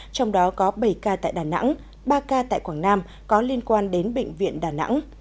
trong đó có bảy ca tại đà nẵng ba ca tại quảng nam có liên quan đến bệnh viện đà nẵng